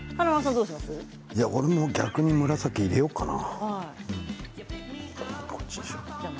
俺も逆に紫を入れようかな。